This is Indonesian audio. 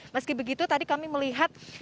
meski begitu tadi kami melihat